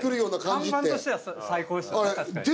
看板としては最高ですよね。